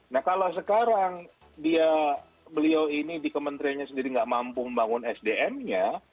nah kalau sekarang beliau ini di kementeriannya sendiri nggak mampu membangun sdm nya